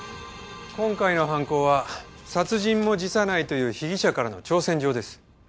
今回の犯行は殺人も辞さないという被疑者からの挑戦状です。